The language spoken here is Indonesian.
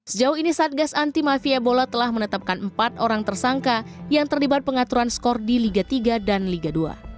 sejauh ini satgas anti mafia bola telah menetapkan empat orang tersangka yang terlibat pengaturan skor di liga tiga dan liga dua